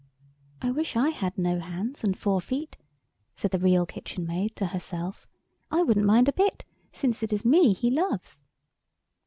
"I wish I had no hands and four feet," said the Real Kitchen maid to herself. "I wouldn't mind a bit, since it is me he loves."